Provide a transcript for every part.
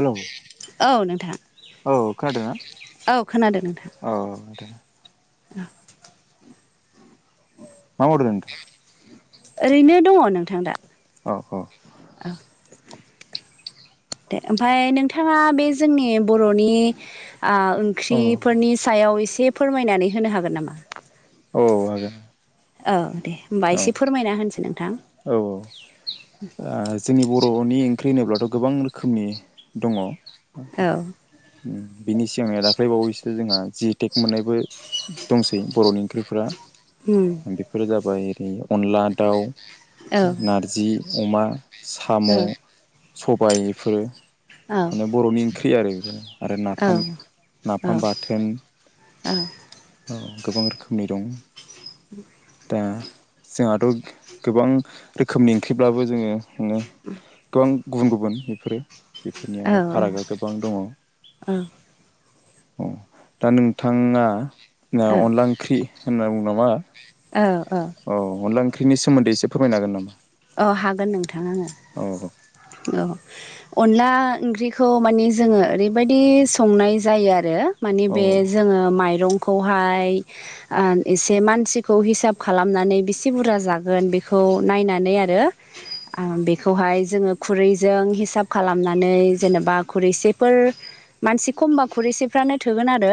Hello औ नोंथां औ खोनादोंना औ खोनादों नोंथां औ मा मावदोे ओरैनो दङ नोंथां दा औ औ दे ओमफफ्राय नोंथाङा बे जोंनि बर'नि औ ओंख्रिफोरनि सायाव एसे फोरमायनानै होनो हागोन नामा औ हागोन औ दे होमबा एसे फोरमायना होनसै नोंथां औ औ जोंनि बर'नि ओंख्रि होनोब्लाथ' गोबां रोखोमनि दङ औ बिनि सिगांनि दाख्लैबावैसो जोंहा जिटेक मोननायबो दंसै बर'नि ओंख्रिफ्रा [unintelligible] बेफोरो जाबाय ओरै अनला दाउ औ नारजि अमा साम' औ सबाय इफोरो औ माने बर'नि ओंख्रि आरो बेफोर आरो नाफाम औ औ नाफाम बाथोन। [unintelligible] औ गोबां रोखोमनि दं। दा जोंहाथ' गोबां रोखोमनि ओंख्रिब्लाबो जोङो माने गोबां गुबुन गुबुन बेफोरो बेफोरनि माने फारागा गोबां दङ। दा नोंथाङा औ अनला ओंख्रि होनना बुङोबा मा औ औ औ अनला ओंख्रिनि सोमोन्दै एसे फोरमायनो होन नामा? अ हागोन नोंथां आङो औ औ औ अनला ओंख्रिखौ माने जोङो ओरैबायदि संनाय जायो आरो माने औ बे जोङो माइरंखौहाय एसे मानसिखौ हिसाब खालामनानै बेसे बुरजा जागोन बेखौ नायनानै आ रो बेखौहाय जोङो खुरैजों हिसाब खालामनानै जेनेबा खुरैसेफोर मानसि खमबा खुरैसेफ्रानो थोगोन आरो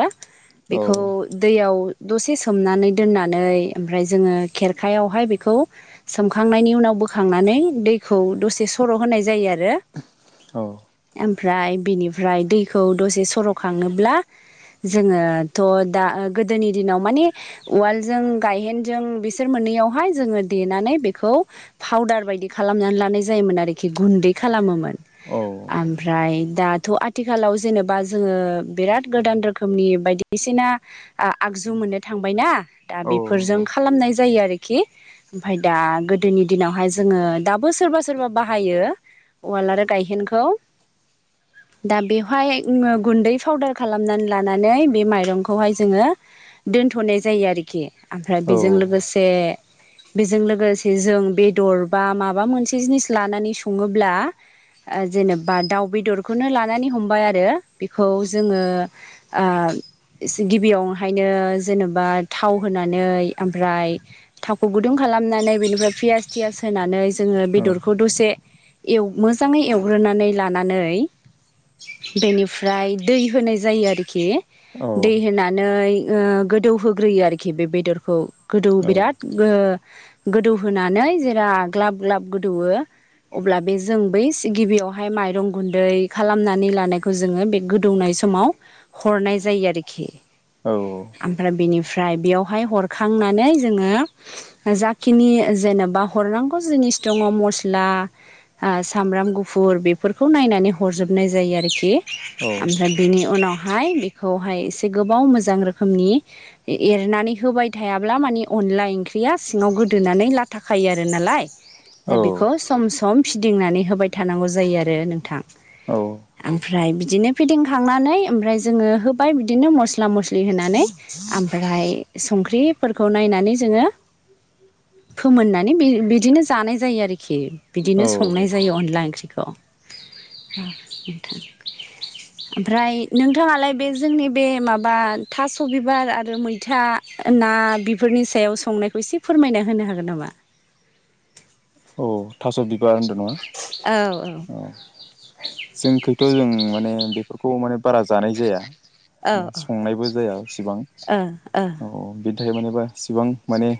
बेखौ औ दैयाव दसे सोमनानै दोननानै ओमफ्राय जोङो खेरखायावहाय बेखौ सोमखांनायनि उनाव बोखांनानै दैखौ दसे सर' होनाय जायो आरो। औ ओमफ्राय बिनिफ्राय दैखौ दसे सर'खाङोब्ला। जोङो थ' दा गोदोनि दिनाव माने उवालजों गायहेनजों बिसोर मोननैयावहाय जोङो देनानै बेखौ फाउदार बायदि खालामनानै लानाय जायोमोन आरोखि गुन्दै खालामोमोन। औ ओमफ्राय दाथ' आथिखालाव जेनेबा जोङो बिराद गोदान रोखोमनि बायदिसिना ओ आगजु मोननो थांबाय ना? दा औ बेफोरजों नंगौ खालामनाय जायो आरोखि ओमफाय दा गोदोनि दिनावहाय जोङो दाबो सोरबा सोरबा बाहायो उवाल आरो गायहेनखौ [inaudible] दा बेवहाय गुन्दै पाउदार खालामनानै लानानै बे माइरंखौहाय जोङो दोनथ'नाय जायो आरोखि ओमफ्राय औ बेजों लोगोसे बेजों लोगोसे जों बेदर बा माबा मोनसे जिनिस लानानै सङोब्ला जेनेबा दाउ बेदरखौनो लानानै हमबाय आरो बेखौ जोङो ओ इसे गिबियावहायनो जेनेबा थाव होनानै ओमफ्राय थावखौ गुदुं खालामनानै बेनिफ्राय पियास थियास होनानै जोङो औ बेदरखौ दसे एल मोजाङै एवग्रोनानै लानानै बेनिफ्राय दै होनाय जायो आरोखि औ दै होनानै ओ गोदौहोग्रोयो आरोखि बे बेदरखौ गोदौ बिराद ओ गोदौहोनानै जेरा ग्लाब ग्लाब गोदौयो अब्ला बे जों बै गिबियावहाय माइरं गुन्दै खालामनानै लानायखौ जोङो बे गोदौनाय समाव हरनाय जायो आरोखि। औ औ ओमफ्राय बिनिफ्राय बेयावहाय हरखांनानै जोङो जाखिनि जेनेबा हरनांगौ जिनिस दङ मस्ला ओ सामब्राम गुफुर बेफोरखौ नायनानै हरजोबनाय जायो आरोखि। [unintelligible] ओमफ्राय बिनि उनावहाय बेखौहाय एसे गोबाव मोजां रोखोमनि एरनानै होबाय थायाब्ला मानि अनला ओंख्रिया सिङाव गोदोनानै लाथा खायो आरो नालाय। दा बेखौ सम सम फिदिंनानै होबाय थानांगौ जायो आरो नोंथां। औ। ओमफ्राय बिदिनो फेदिंखांनानै ओमफ्राय जोङो होबाय बिदिनो मस्ला मस्लि होनानै। ओमफ्राय संख्रिफोरखौ नायनानै जोङो फोमोननानै बिदिनो जानाय जायो आरोखि औ बिदिनो संनाय जायो अनला ओंख्रिखौ। [unintelligible] ओमफ्राय नोंथाङालाय बे जोंनि बे माबा थास' बिबार आरो मैथा ना बेफोरनि सायाव संनायखौ एसे फोरमायना होनो हागोन नामा? औ [unintelligible] थास' बिबार होनदों नामा औ। जोंखैथ' जों माने बेफोरखौ माने बारा जानाय जाया औ संनायबो जाया इसिबां। औ ओ औ बिदि [unintelligible] इसेबां माने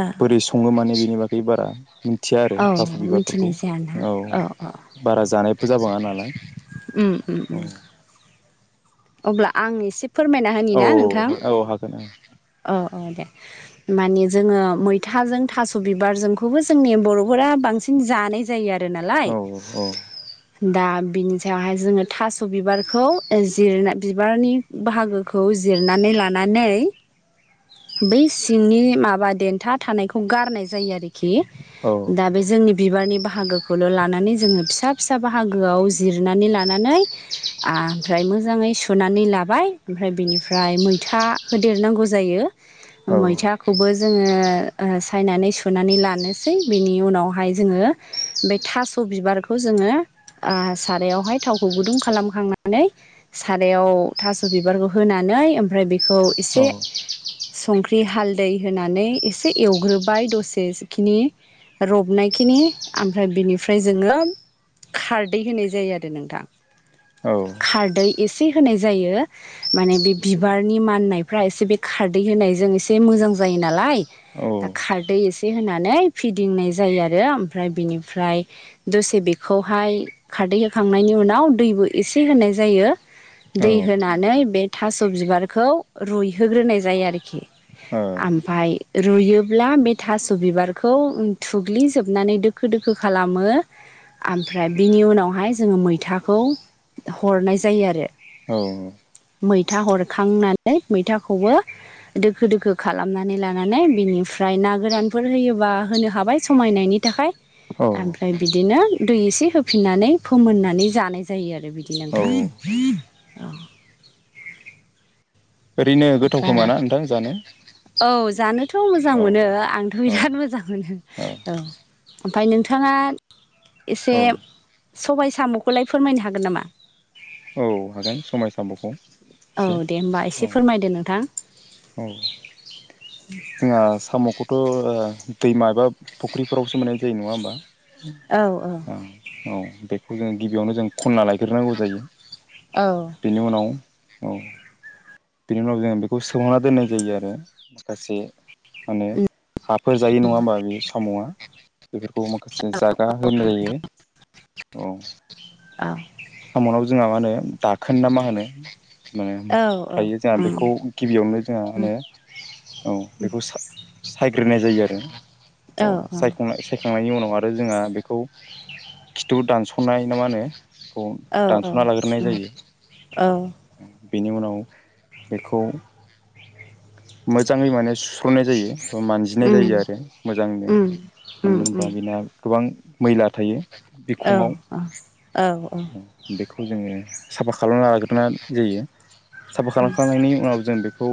ओ। बोरै सङो माने बेनि बागै बारा मिथिया आरो औ थास' बिबारफोरखौ मिथिनाय जायाना औ औ बारा जानायबो जाबाङा नालाय। उम औ उम। अब्ला आं एसे फोरमायना होनि औ ना नोंथां? औ हागोन औ औ दे। मानि जोङो मैथाजों थास' बिबारजोंखौबो जोंनि बर'फोरा बांसिन जानाय जायो आरो नालाय। औ दा बिनि सायावहाय जोङो थास' बिबारखौ जिरना बिबारनि बाहागोखौ जिरनानै लानानै बै सिंनि माबा देथा थानायखौ गारनाय जायो आरोखि। औ दा बे जोंनि बिबारनि बाहागोखौल' लानानै जोङो फिसा फिसा बाहागोआव जिरनानै लानानै आमफ्राय मोज मोजाङै सुनानै लाबाय ओमफ्राय बिनिफ्राय मैथा होदेरनांगौ जायो। मैथा खौबो जोङो ओ सायनानै सुनानै लानोसै। बेनि उनावहाय जोङो बे थास' बिबारखौ जोङो ओ सारायावहाय थावखौ गुदुं खालामखांनानै सारायाव थास' बिबारखौ होनानै ओमफ्राय बेखौ औ एसे संख्रि हालदै होनानै एसे एवग्रोबाय दसेखिनि रबनायखिनि ओमफ्राय बिनिफ्राय जोङो। खारदै होनाय जायो आरो नोंथां। औ खारदै एसे होनाय जायो। माने बे बिबारनि माननायफ्रा एसे बे खारदै होनायजों एसे मोजां जायो नालाय। दा खारदै एसे होनानै फिदिंनाय जायो आरो। ओमफ्राय बेनिफ्राय दसे बेखौहाय खारदै होखांनायनि उनाव दैबो एसे होनाय जायो। औ दै होनानै बे थास' बिबारखौ रुइहोग्रोनाय जायो आरोखि। ओ। ओमफ्राय रुयोब्ला बे थास' बिबारखौ थुग्लिजोबनानै दो दोखो दोखो खालामो। ओमफ्राय बिनि उनावहाय जोङो मैथाखौ हरनाय जायो आरो। औ। मैथा हरखांनानै मैथाखौबो दोखो दोखो खालामनानै लानानै बिनिफ्राय ना गोरानफोर होयोबा होनो हाबाय। समायनायनि थाखाय। ओमफ्राय बिदिनो दै एसे होफिननानै फोमोननानै जानाय जायो आरो बिदिनो। नोंथां। औ ओरैनो गोथाव खोमा ओमफ्राय ना नोंथां जानो? औ जानोथ' मोजां औ मोनो आंथ' औ बिराद मोजां मोनो औ। ओमफाय नोंथाङा एसे औ सबाय साम'खौलाय फोरमायनो हागोन नामा? औ हागोन समाय साम'खौ एसे औ दे होमबा औ एसे फोरमायदो नोंथां। औ जोंहा साम'खौथ' ओ दैमा एबा फुख्रिफोरावसो मोननाय जायो नङा औ होमबा। औ बेखौ जों गिबियावनो जों खनन्ना लायग्रोनांगौ जायो। औ बेनि उनाव औ बिनि उनाव जों बेखौ सोंहांना दोननाय जायो आरो माखासे माने उम हाफोर जायो नङा होमबा बे साम'आ? बेफोरखौ माखासे जागा होनाय जायो औ औ साम'नाव जोंहा मा होनो दाखोन ना मा होनो। माने औ ख्रायो जोंहा उम बेखौ गिबियावनो जोंहा उम माने औ बेखौ सा-सायग्रोनाय जायो आरो। औ सायख'ना साय खांनायनि उनाव आरो जोंहा बेखौ खिथु दानस'नाय ना मा होनो। बेखौ औ औ दानस'ना लाग्रोनाय जायो औ औ बेनि उनाव बेखौ मोजाङै माने सुस्र'नाय जायो। मानजिनाय उम जायो आरो मोजांनो उम मानो उम उम होनबा बेना गोबां मैला थायो। औ बिखङाव औ औ उम औ बेखौ जोङो साफा खालामना लाग्रोनाय जायो औ साफा खालामखांनायनि उनाव जों बे खौ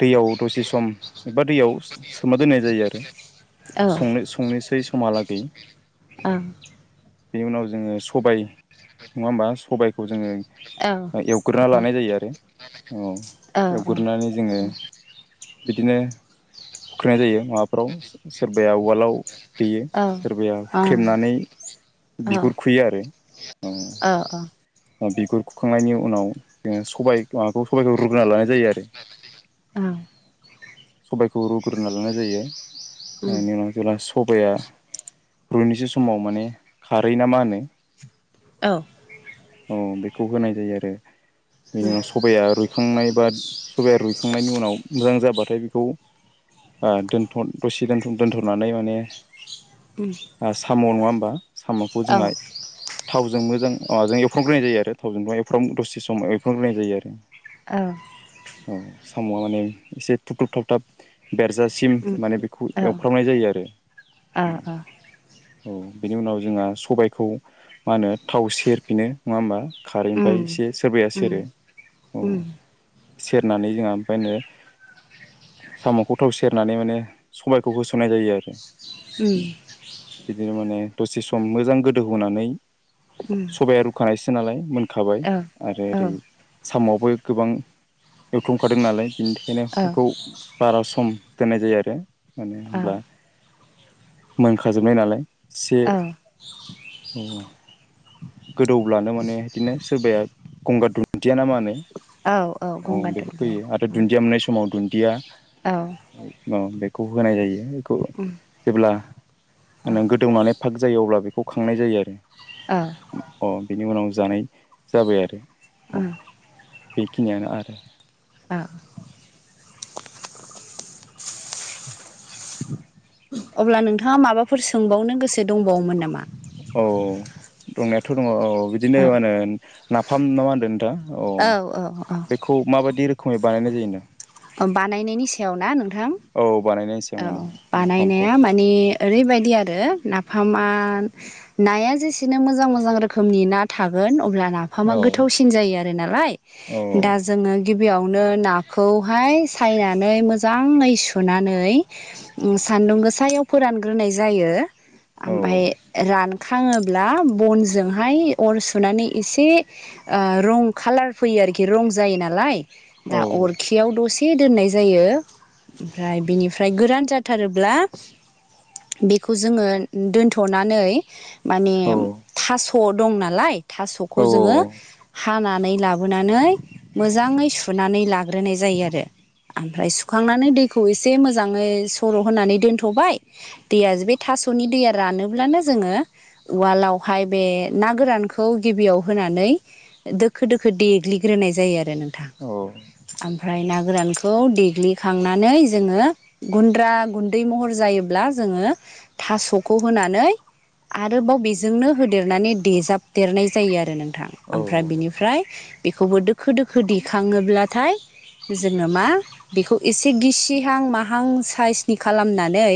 दैयाव दसे सम एबा दैयाव। सोना दोननाय जायो आरो। औ औ औ संनो-संनोसै समहालागै। ओं बेनि उनाव जोङो सबाय नङा होमबा सबायखौ जोङो। औ एवग्रोना लानाय जायो आरो औ एवग्रोनानै जोङो बिदिनो हुखैनाय जायो माबाफ्राव सोरबाया उवालाव देयो सोरबाया हुख्रेमनानै बिगुर खुयो आरो। अ औ बिगुर खुखांनायनि उनाव जोङो सबाइ माबाखौ सबबायखौ रुगोनना लानाय जायो आरो। सबायखौ रुग्रोनानै लानाय जायोनि उनाव। ओनि जेब्ला सबाया रुनोसो समाव माने खारै ना मा होनो औ औ बेखौ होनाय जायो आरो बेनि उनाव सबाया रुय रुइखांनाय बा सबाया रुइखांनायनि उनाव मोजां जाबाथाय बेखौ दोन' दसे दोन दोनथ'नानै माने ओम आ साम' नङा होमबा साम'खौ जोंहा थावजों मोजां अह जों एफ्रावग्रोनाय जायो आरो थावजोंथ' एफफ्राम दसे समाव एफ्रनोग्रोननाय जायो आरो। ओ औ साम'आ माने एसे थुथुब थाबथाब बेरजासिम माने बेखौ एवफ्रावनाय जायो आरो। औ बेनि उनाव जोंहा सबायखौ मा होनो थाव सेर बेनो नङा होमबा खारैनिफ्राय एसे सोरबाया सेरो औ। उम सेरनानै जोंहा ओमफ्रायनो साम'खौ थाव सेरनानै माने सबायखौ होसननाय जायो आरो। उम बिदिनो माने दसे सम मोजां गोदौ होनानै उम सबाया रुखानायसो नालाय मोनखाबाय औ आरो ओरै साम'आबो गोबां एवथ्रमखादों नालाय बिनि थाखायनो बेखौ बारा सम दोननाय जायो आरो मानो औ होमब्ला मोनखाजोबनाय नालाय एसे औ ओम गोदौब्लानो माने बिदिनो सोरबाया गंगार दुन्दिया ना मा होनो औ औ ओं गंगार बेफोरखौ दुन्दिया होयो आरो दुन्दिया मोननाय समाव दुन्दिया औ अ बेखौ होनाय जायो बेखौ उम जेब्ला औ माने गोदौनानै पाक जायो अब्ला बेखौ खांनाय जायो आरो। औ अ बिनि उनाव जानाय जाबाय आरो अ उम बेखिनियानो आरो। औ अब्ला नोंथाङा माबाफोर सोंबावनो गोसो दंबावोमोन नामा? औ दंनायाथ' दङ औ बिदिनो औ मा होनो नाफाम ना मा होनदों नोंथां औ औ औ बेखौ माबायदि रोखोमै बानायनाय जायो नो ओ बानायनायनि सायाव ना नोंथां औ बानायनायनि सायाव औ माने नाफामखौ बानायनाया माने ओरैबायदि आरो नाफामा नाया जेसेनो मोजां मोजां रोखोमनि ना थागोन अब्ला ना फामा औ गोथावसिन जायो आरो नालाय औ दा जोङो गिबियावनो नाखौ हाय सायनानै मोजाङै सुनानै ओम सान्दुं गोसायाव फोरानग्रोनाय जायो औ ओमफाय रान खाङोब्ला बनजोंहाय अर सुनानै एसे ओ रं खालार फैयो आरोखि रं जायो नालाय औ दा अर खियाव दसे दोननाय जायो ओमफ्राय बेनिफ्राय गोरान जाथारोब्ला बेखौ जोङो दोन्थ'नानै माने औ थास' दं नालाय औ थास'खौ जोङो हानानै लाबोनानै मोजाङै सुनानै लाग्रोनाय जायो आरो। ओमफ्राय सुखांनानै दैखौ एसे मोजाङै सर' होनानै दोनथ'बाय दैया जे बे थास'नि दैया रानोब्लानो जोङो उवालावहाय बे ना गोरानखौ गिबियाव होनानै दोखो दोखो देग्लिग्रोनाय जायो आरो नोंथां औ ओमफ्राय ना गोरानखौ देग्लिखांनानै जोङो गुन्द्रा गुन्दै महर जायोब्ला जोङो थास'खौ होनानै आरोबाव बेजोंनो होदेरनानै देजाबदेरनाय जायो आरो नों थां औ आमफ्राय बिनिफ्राय बेखौबो दोखो दोखो देखाङोब्ला थाय जोङो मा बेखौ एसे गिसिहां माहां साइसनि खालामनानै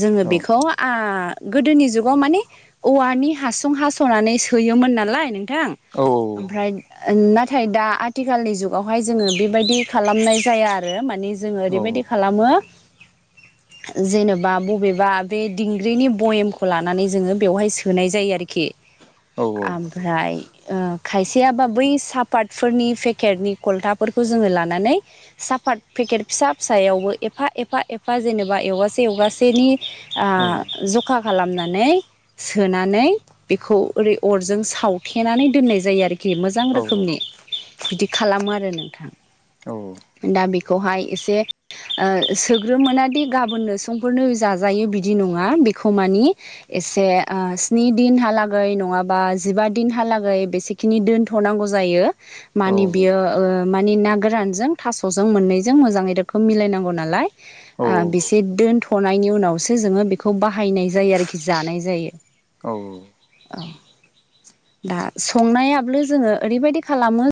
जोङो औ बेखौ आ गोदोनि जुगाव माने औवानि हासुं हास' सनानै सोयोमोन नालाय नोंथां। औ औ ओमफ्राय नाथाय दा आथिखालनि जुग आवहाय जोङो बेबायदि खालामनाय जाया आरो माने जोङो औ ओरैबायदि खालामो [unintelligible] जेनेबा बबेबा बे दिंग्रिनि बयेमखौ लानानै जोङो बेवहाय सोनाय जायो आरो खि आम फ्राय ओ खायसेयाबा बै सापातफोरनि पेकेटनि कलथाफोरखौ जोङो लानानै साफात पेकेट फिसा फिसायावबो एफा एफा एफा जेनेबा एवगासे एवगासेनि ओ जखा खालामनानै सोनानै बेखौ ओरै अरजों सावथेनानै दोननाय जायो आरो कि मोजां रोखोमनि बिदि खालामो आरो नोंथां। औ। दा बेखौहाय एसे सोग्रोमोनादि गाबोननो संफोरनो जाजायो बिदि नङा बेखौ मानि एसे स्नि दिनहालागै नङाबा जिबा दिनहालागै बेसे खिनि दोनथ'नांगौ जायो। मानिे बियो माने ना गोरानजों थास'जों मोननैजों मोजाङै रोखोम मिलायनांगौ नालाय औ बेसे दोनथ'नायनि उनावसो जोङो बेखौ बाहायनाय जायो आरोखि जानाय जायो। औ। औ दा संनायाबो जोङो ओरैबायदि खालामो।